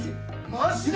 マジで！？